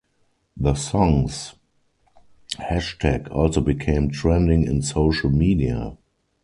The song’s hashtag also became trending in social media.